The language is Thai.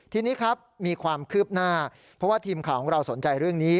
ทีนี้ครับมีความคืบหน้าเพราะว่าทีมข่าวของเราสนใจเรื่องนี้